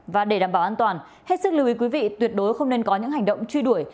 và để đảm bảo an toàn hết sức lưu ý quý vị tuyệt đối không nên có những hành động truy đuổi